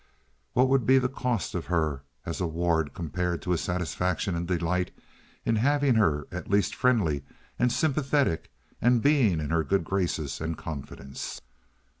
What would be the cost of her as a ward compared to his satisfaction and delight in having her at least friendly and sympathetic and being in her good graces and confidence?